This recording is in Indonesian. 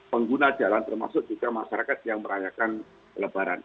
pengguna jalan termasuk juga masyarakat yang merayakan lebaran